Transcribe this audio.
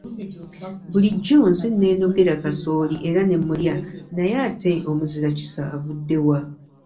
Bulijjo nze nneenogera kasooli era ne mmulya naye ate omuzira kisa avudde wa.